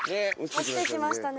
落ちてきましたね。